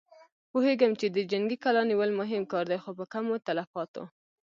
پوهېږم چې د جنګي کلا نيول مهم کار دی، خو په کمو تلفاتو.